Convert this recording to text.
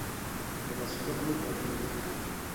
Το Βασιλόπουλο το αντιλήφθηκε